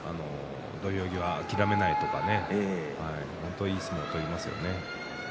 土俵際諦めないとか本当にいい相撲を取りますよね。